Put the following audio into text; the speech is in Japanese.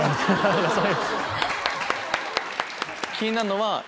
気になるのは。